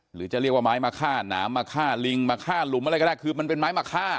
หรือจะเรียกว่าไม้มาฆ่าหนามมาฆ่าลิงมาฆ่าหลุมอะไรก็ได้คือมันเป็นไม้มาฆ่า